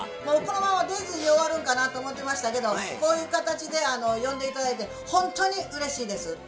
もうこのまま出ずに終わるんかなと思ってましたけどこういう形で呼んで頂いてほんとにうれしいです。